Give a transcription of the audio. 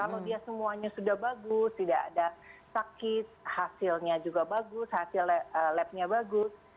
jadi dia semuanya sudah bagus tidak ada sakit hasilnya juga bagus hasil lab nya bagus